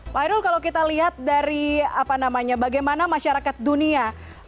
pak hairul kalau kita lihat dari bagaimana masyarakat dunia